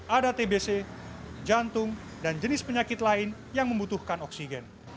ada tbc jantung dan jenis penyakit lain yang membutuhkan oksigen